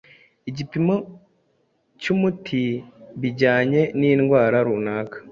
igipimo cy'umuti bijyanye n'indwara runaka".